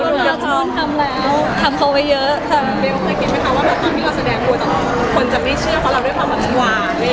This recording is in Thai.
บู๊นอ่ะโดนทำอ่ะมีค่ะ